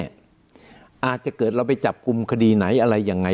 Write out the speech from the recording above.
เราจะเกิดไปจับคุมคดีไหนอะไรยังไง